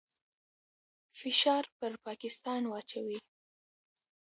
فشار پر پاکستان واچوي.